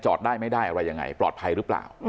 ได้ไม่ได้อะไรยังไงปลอดภัยหรือเปล่า